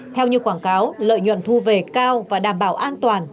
theo như quảng cáo lợi nhuận thu về cao và đảm bảo an toàn